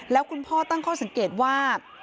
แล้วคุณพ่อตั้งข้อสังเกตว่า